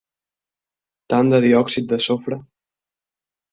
Tant de diòxid de sofre!